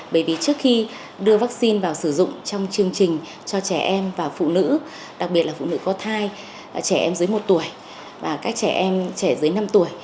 bởi vì trước khi đưa vaccine vào sử dụng trong chương trình cho trẻ em và phụ nữ đặc biệt là phụ nữ có thai trẻ em dưới một tuổi và các trẻ em trẻ dưới năm tuổi